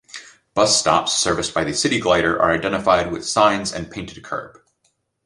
Bus stops serviced by the CityGlider are identified with signs and painted kerb.